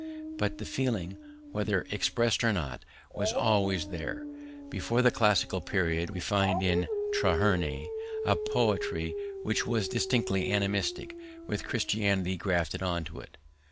But the feeling, whether expressed or not, was always there. Before the classic period we find in Traherne a poetry which was distinctly animistic, with Christianity grafted on it.